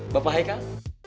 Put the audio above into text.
bapak hai kan